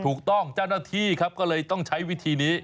เจ้าหน้าที่ครับก็เลยต้องใช้วิธีนี้